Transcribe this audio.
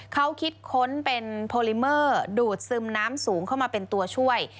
เขาคิดค้นเป็นโพลิเมอร์ดูดซึมน้ำสูงเข้ามาเป็นตัวช่วย